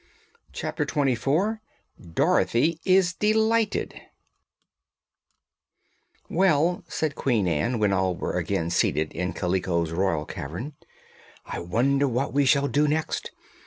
Chapter Twenty Four Dorothy is Delighted "Well," said Queen Ann, when all were again seated in Kaliko's royal cavern, "I wonder what we shall do next.